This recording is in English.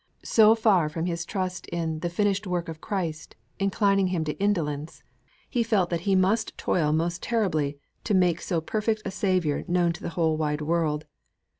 So far from his trust in 'the Finished Work of Christ' inclining him to indolence, he felt that he must toil most terribly to make so perfect a Saviour known to the whole wide world.